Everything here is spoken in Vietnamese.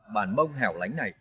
bản mông hẻo lánh này